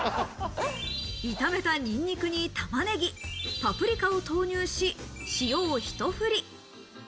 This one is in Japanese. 炒めたニンニクに玉ねぎ、パプリカを投入し、塩をひと振り。